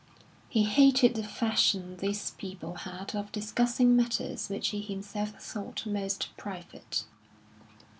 He hated the fashion these people had of discussing matters which he himself thought most private.